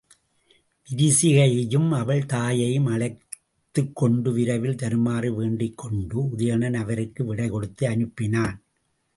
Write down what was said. விரிசிகையையும் அவள் தாயையும் அழைத்துக் கொண்டு விரைவில் வருமாறு வேண்டிக்கொண்டு, உதயணன் அவருக்கு விடைகொடுத்து அனுப்பினான்.